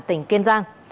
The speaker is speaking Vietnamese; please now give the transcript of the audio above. tỉnh kiên giang